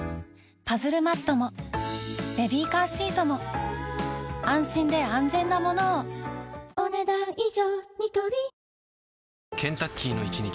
パズルマットもベビーカーシートも安心で安全なものをお、ねだん以上。